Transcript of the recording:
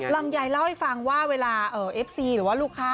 ลำไยเล่าให้ฟังว่าเวลาเอฟซีหรือว่าลูกค้า